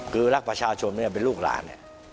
คือรักประชาชนเป็นลูกหลาน